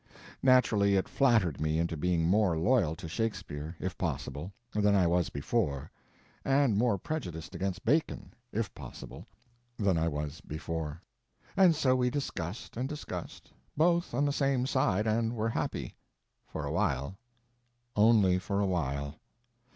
Naturally it flattered me into being more loyal to Shakespeare—if possible—than I was before, and more prejudiced against Bacon—if possible—than I was before. And so we discussed and discussed, both on the same side, and were happy. For a while. Only for a while.